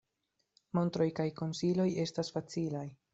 Montroj kaj konsiloj estas facilaj.